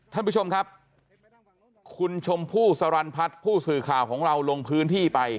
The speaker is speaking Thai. ท่านผู้ชมครับคุณชมพู่สรรพัฒน์ผู้สื่อข่าวของเราลงพื้นที่ไป